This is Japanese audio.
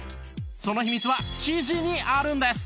その秘密は生地にあるんです！